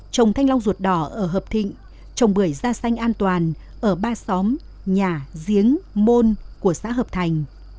trồng thanh long ruột đỏ ở hợp thịnh trồng bưởi da xanh an toàn ở ba xóm nhà giếng môn của xã hợp thành